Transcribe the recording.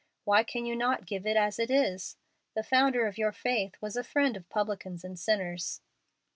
Why can you not give it as it is? The Founder of your faith was a friend of publicans and sinners."